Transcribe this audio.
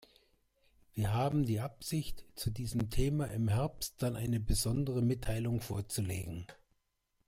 Wir haben die Absicht, zu diesem Thema im Herbst dann eine besondere Mitteilung vorzulegen.